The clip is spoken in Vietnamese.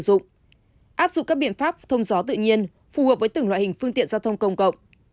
bộ trí dung dịch áp dụng các biện pháp thông gió tự nhiên phù hợp với từng loại hình phương tiện giao thông công cộng